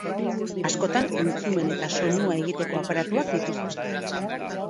Askotan entzumen eta soinua egiteko aparatuak dituzte.